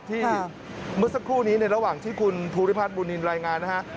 เมื่อสักครู่นี้ในระหว่างที่คุณภูริพัฒนบุญนินรายงานนะฮะ